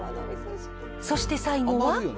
そして最後は。